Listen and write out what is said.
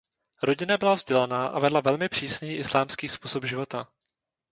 Rodina byla vzdělaná a vedla velmi přísný islámský způsob života.